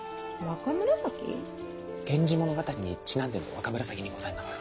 源氏物語にちなんでの若紫にございますか？